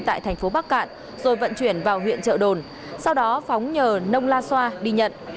tại thành phố bắc cạn rồi vận chuyển vào huyện trợ đồn sau đó phóng nhờ nông la xoa đi nhận